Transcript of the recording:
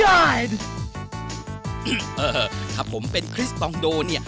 เออถ้าผมเป็นคริสตองโดเนี่ย